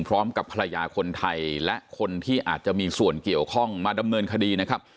พร้อมกับภรรยาคนไทยและคนที่อาจจะมีส่วนเกี่ยวข้องมาดำเนินคดีนะครับ